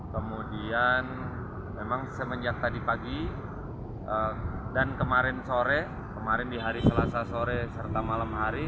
kemudian memang semenjak tadi pagi dan kemarin sore kemarin di hari selasa sore serta malam hari